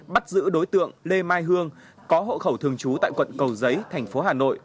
bắt giữ đối tượng lê mai hương có hộ khẩu thường trú tại quận cầu giấy thành phố hà nội